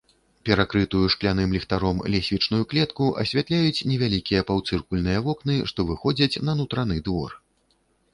Перакрытую шкляным ліхтаром лесвічную клетку асвятляюць невялікія паўцыркульныя вокны, што выходзяць на нутраны двор.